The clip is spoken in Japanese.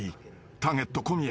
［ターゲット小宮。